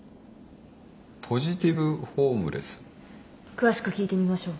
詳しく聞いてみましょう。